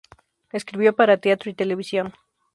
Escribió para teatro y televisión.